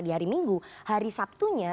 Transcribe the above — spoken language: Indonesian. di hari minggu hari sabtunya